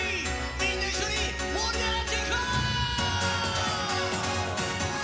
みんな一緒に盛り上がっていこう！